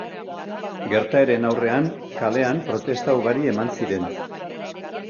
Gertaeren aurrean kalean protesta ugari eman ziren.